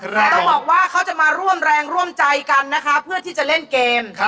แต่ต้องบอกว่าเขาจะมาร่วมแรงร่วมใจกันนะคะเพื่อที่จะเล่นเกม